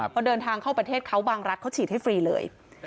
พอเดินทางเข้าประเทศเขาบางรัฐเขาฉีดให้ฟรีเลย